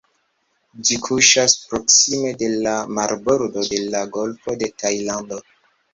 Ĝi kuŝas proksime de la marbordo de la Golfo de Tajlando.